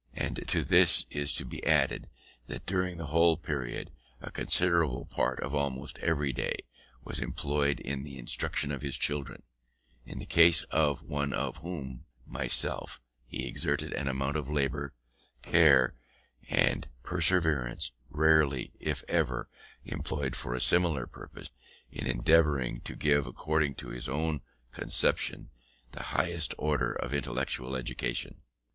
And to this is to be added, that during the whole period, a considerable part of almost every day was employed in the instruction of his children: in the case of one of whom, myself, he exerted an amount of labour, care, and perseverance rarely, if ever, employed for a similar purpose, in endeavouring to give, according to his own conception, the highest order of intellectual education.